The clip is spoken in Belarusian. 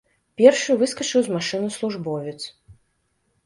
Першы выскачыў з машыны службовец.